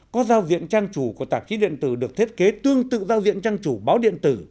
có giao diện trang chủ của tạp chí điện tử được thiết kế tương tự giao diện trang chủ báo điện tử